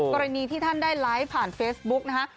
กรณีที่ท่านได้ไลฟ์ผ่านเฟซบุ๊กนะฮะ